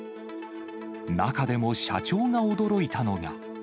中でも社長が驚いたのが。